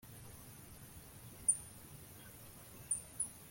O bigenda bite niba ubusitani aho impyisi izerera